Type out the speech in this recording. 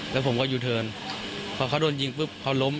แล้วผมก็ยูเทิร์นพอเขาโดนยิงปุ๊บเขาล้ม